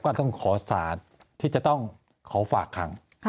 ก็ต้องขอสารที่จะต้องขอฝากขัง